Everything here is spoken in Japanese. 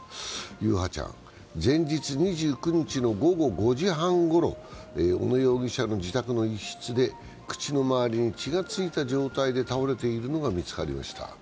優陽ちゃん、前日２９日の午後５時半ごろ、小野容疑者の自宅の一室で口の周りに血がついた状態で倒れているのが見つかりました。